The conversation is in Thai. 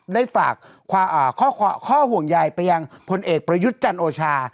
ได้ฝากข้อห่วงใยไปยังพลเอกประยุทธ์จันโอชา